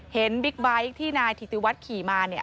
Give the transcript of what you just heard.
เห็นบิ๊กไบท์ที่นายธิติวัฒน์ขี่มา